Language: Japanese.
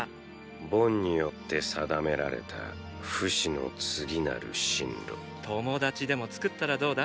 ボンによって定められたフシの次なる進路友達でも作ったらどうだ？